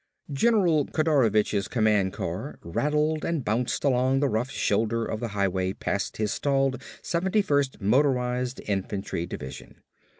General Kodorovich's command car rattled and bounced along the rough shoulder of the highway past his stalled 71st Motorized Infantry Division.